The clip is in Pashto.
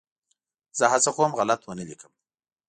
زه هڅه کوم غلط ونه ولیکم.